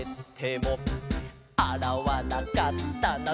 「あらわなかったな